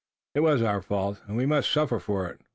"It was our fault, and we must suffer for it."